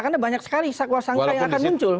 karena banyak sekali sakwa sangka yang akan muncul